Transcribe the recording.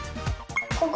ここ？